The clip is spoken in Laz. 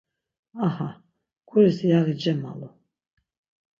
Aha, guris yaği cemalu.